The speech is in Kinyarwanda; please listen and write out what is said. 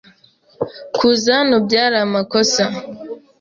Kuza hano byari amakosa.